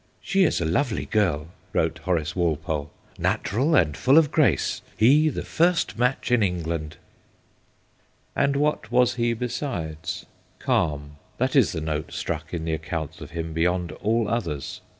She is a lovely girl/ wrote Horace Walpole, 'natural and full of grace; he, the first match in England.' And what was he besides ? Calm that is the note struck in the accounts of him beyond all others.